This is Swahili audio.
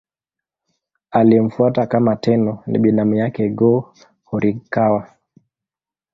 Aliyemfuata kama Tenno ni binamu yake Go-Horikawa.